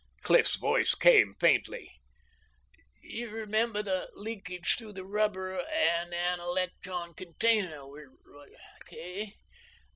Cliff's voice came faintly. "You remember the leakage through the rubber and analektron container, Kay.